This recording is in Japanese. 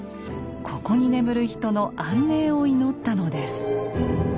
ここに眠る人の安寧を祈ったのです。